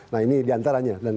nah ini di antaranya